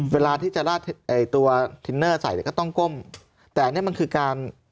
เวลาที่จะราดไอ้ตัวทินเนอร์ใส่เนี่ยก็ต้องก้มแต่อันนี้มันคือการ